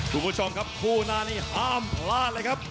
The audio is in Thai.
คุณผู้ชมครับคู่หน้านี้ห้ามพลาดเลยครับ